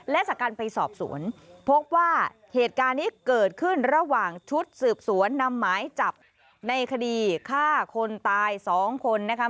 และจากการไปสอบสวนพบว่าเหตุการณ์นี้เกิดขึ้นระหว่างชุดสืบสวนนำหมายจับในคดีฆ่าคนตาย๒คนนะคะ